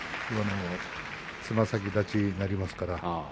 つま先立ちになりますからね。